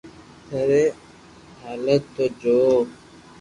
ٿاري ھالت تو جو